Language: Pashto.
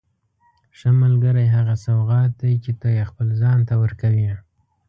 ښه ملګری هغه سوغات دی چې ته یې خپل ځان ته ورکوې.